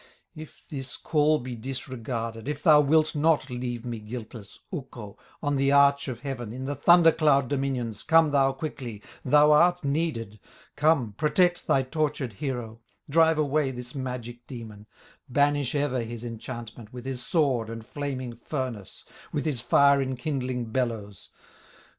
"If this call be disregarded, If thou wilt not leave me guiltless, Ukko, on the arch of heaven, In the thunder cloud dominions, Come thou quickly, thou art needed, Come, protect thy tortured hero, Drive away this magic demon, Banish ever his enchantment, With his sword and flaming furnace, With his fire enkindling bellows.